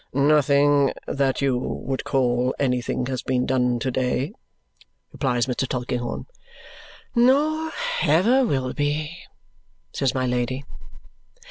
"Nothing that YOU would call anything has been done to day," replies Mr. Tulkinghorn. "Nor ever will be," says my Lady.